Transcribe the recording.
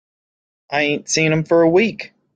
I ain't seen him for a week.